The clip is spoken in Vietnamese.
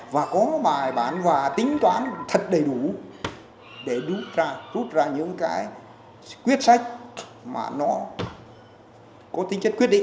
và có bài bản và tính toán thật đầy đủ để rút ra những cái quyết sách mà nó có tính chất quyết định